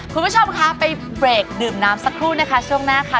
คุณผู้ชมคะไปเบรกดื่มน้ำสักครู่นะคะช่วงหน้าค่ะ